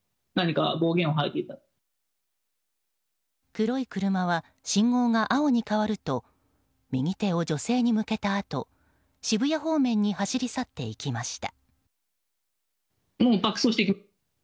黒い車は、信号が青に変わると右手を女性に向けたあと渋谷方面に走り去っていきました。